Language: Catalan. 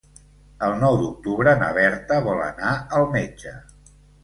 El nou d'octubre na Berta vol anar al metge.